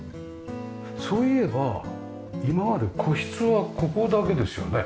そういえば今まで個室はここだけですよね？